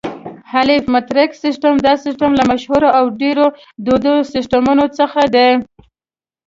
الف: مټریک سیسټم: دا سیسټم له مشهورو او ډېرو دودو سیسټمونو څخه دی.